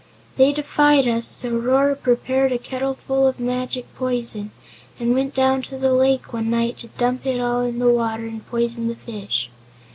They defied us, so Rora prepared a kettleful of magic poison and went down to the lake one night to dump it all in the water and poison the fish.